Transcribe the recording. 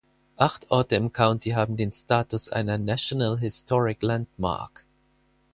Acht Orte im County haben den Status einer National Historic Landmark.